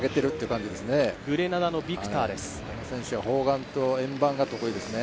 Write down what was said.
この選手は砲丸と円盤が得意ですね。